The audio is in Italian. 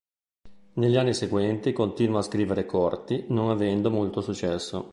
Negli anni seguenti continua a scrivere corti, non avendo molto successo.